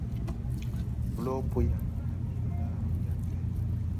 Blo po yaŋ à deŋ ga Djakbé.